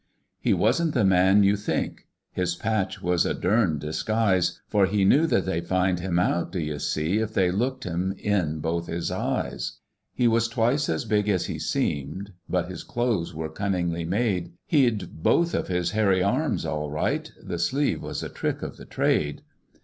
"He wasn't the man you think! His patch was a dern disguise! For he knew that they'd find him out, d'you see, If they looked him in both his eyes. "He was twice as big as he seemed; But his clothes were cunningly made. He'd both of his hairy arms all right! The sleeve was a trick of the trade.